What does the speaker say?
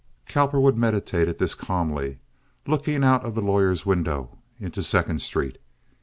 Cowperwood meditated this calmly, looking out of the lawyer's window into Second Street.